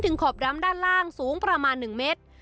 ขอบดำด้านล่างสูงประมาณ๑เมตร